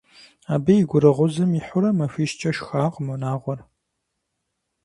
Абы и гурыгъузым ихьурэ, махуищкӀэ шхакъым унагъуэр.